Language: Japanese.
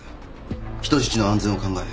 人質の安全を考え